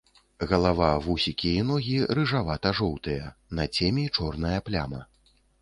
Галава, вусікі і ногі рыжавата-жоўтыя, на цемі чорная пляма.